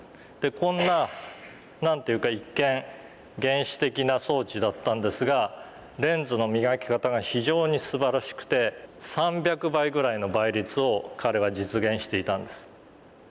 こんな何て言うか一見原始的な装置だったんですがレンズの磨き方が非常にすばらしくて３００倍ぐらいの倍率を彼は実現していたんです。